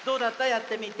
やってみて。